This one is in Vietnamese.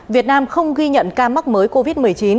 việt nam không ghi nhận ca mắc mới covid một mươi chín